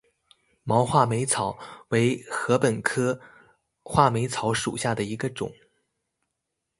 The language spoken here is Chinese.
毛画眉草为禾本科画眉草属下的一个种。